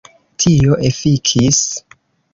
Tio efikis.